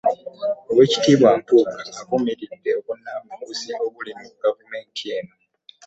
Oweekitiibwa Mpuuga avumiridde obunnanfuusi obuli mu gavumenti eno.